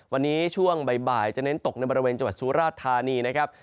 วันนี้ช่วงบ่ายจะเน้นตกในบริเวณจังหวัดสุราชธานีนะครับ